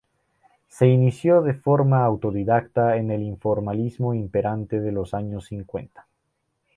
Se inició de forma autodidacta en el informalismo imperante de los años cincuenta.